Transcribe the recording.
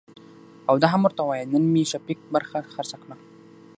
او دا هم ورته وايه نن مې شفيق برخه خرڅه کړه .